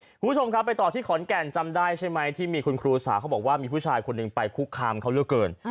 คุณผู้ชมครับไปต่อที่ขอนแก่นจำได้ใช่ไหมที่มีคุณครูสาวเขาบอกว่ามีผู้ชายคนหนึ่งไปคุกคามเขาเหลือเกิน